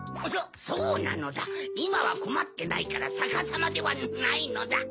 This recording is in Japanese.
そうなのだいまはこまってないからさかさまではないのだ。